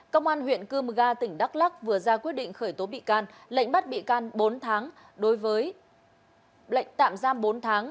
công an huyện cư mga tỉnh đắk lắc vừa ra quyết định khởi tố bị can lệnh bắt bị can bốn tháng